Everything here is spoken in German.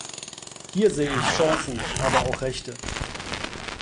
Hier sehe ich Chancen, aber auch Rechte.